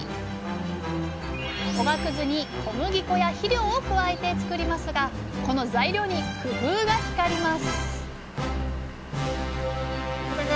おがくずに小麦粉や肥料を加えて作りますがこの材料に工夫が光ります